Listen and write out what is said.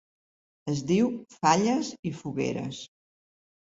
Es diu Falles i fogueres.